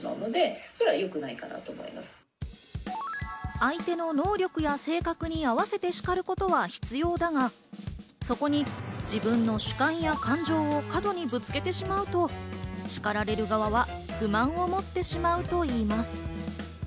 相手の能力や性格に合わせて叱ることは必要だが、そこに自分の主観や感情を過度にぶつけてしまうと叱られる側は不満を持ってしまうといいます。